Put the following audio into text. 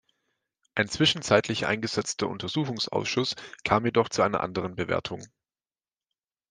Ein zwischenzeitlich eingesetzter Untersuchungsausschuss kam jedoch zu einer anderen Bewertung.